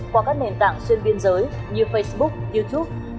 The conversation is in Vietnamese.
qua các nền tảng xuyên biên giới như facebook youtube